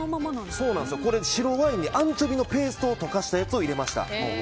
白ワインでアンチョビのペーストを溶かしたやつを入れました。